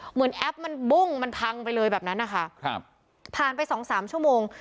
แอปมันบุ้งมันพังไปเลยแบบนั้นนะคะครับผ่านไปสองสามชั่วโมง